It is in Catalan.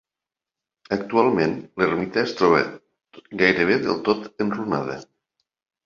Actualment l'ermita es troba gairebé del tot enrunada.